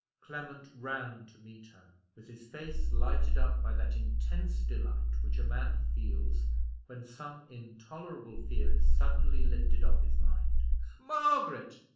Clement ran to meet her, with his face lighted up by that intense delight which a man feels when some intolerable fear is suddenly lifted off his mind. "Margaret!"